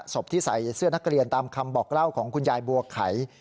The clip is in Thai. ศพที่ใส่เสื้อนักเรียนตามคำบอกเล่าของคุณยายบัวไข่